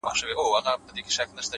لوستل ذهن پراخوي.